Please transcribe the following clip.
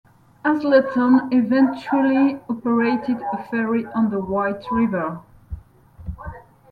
Hazleton eventually operated a ferry on the White River.